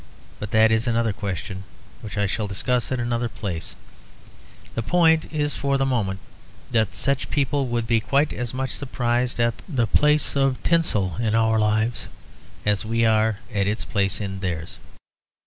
But that is another question, which I shall discuss in another place; the point is for the moment that such people would be quite as much surprised at the place of tinsel in our lives as we are at its place in theirs.